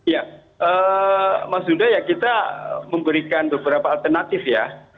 ya maksudnya kita memberikan beberapa alternatif ya